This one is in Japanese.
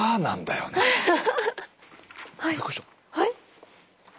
はい？